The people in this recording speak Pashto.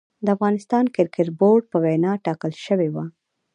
د افغانستان کريکټ بورډ په وينا ټاکل شوې وه